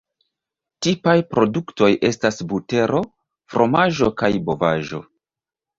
Tipaj produktoj estas butero, fromaĝo kaj bovaĵo.